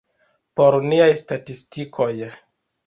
Por niaj statistikoj.